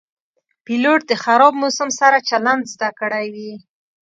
پیلوټ د خراب موسم سره چلند زده کړی وي.